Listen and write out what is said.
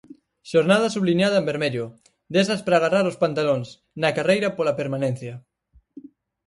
Xornada subliñada en vermello, desas pra agarrar os pantalóns, na carreira pola permanencia.